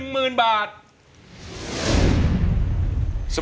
ไม่ใช้